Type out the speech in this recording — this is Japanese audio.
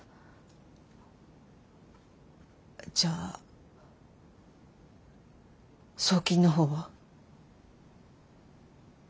じゃあ送金の方は？